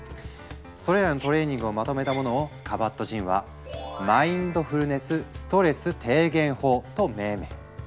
それらのトレーニングをまとめたものをカバットジンは「マインドフルネスストレス低減法」と命名。